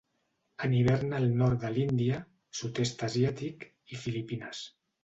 En hivern al nord de l'Índia, Sud-est asiàtic, i Filipines.